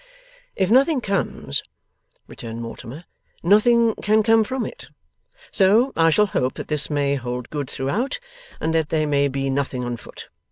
'If nothing comes,' returned Mortimer, 'nothing can come from it. So I shall hope that this may hold good throughout, and that there may be nothing on foot.